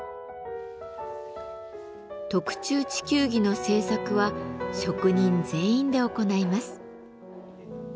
特注地球儀の制作は職人全員で行います。